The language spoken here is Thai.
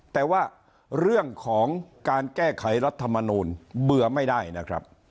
แต่ว่าเรื่องของการแก้ไขรัฐมนูลเบื่อไม่ได้นะครับ